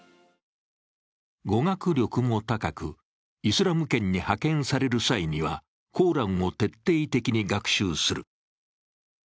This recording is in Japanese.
語学力も高く、イスラム圏に派遣される際にはコーランを徹底的に学習する。